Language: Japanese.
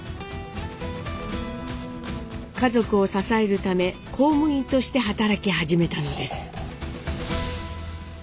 家族を支えるため公務員として働き始めたのです。